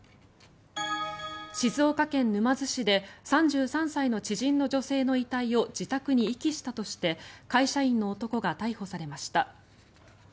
静岡県沼津市で３３歳の知人の女性の遺体を自宅に遺棄したとして会社員の男が逮捕されました。